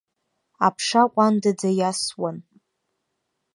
Аԥша ҟәандаӡа иасуан.